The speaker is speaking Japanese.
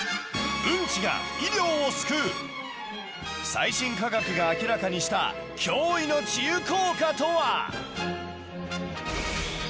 最新科学が明らかにした驚異の治癒効果とは！？